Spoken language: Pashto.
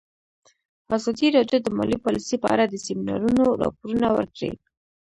ازادي راډیو د مالي پالیسي په اړه د سیمینارونو راپورونه ورکړي.